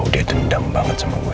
ohledulillah itu tidak média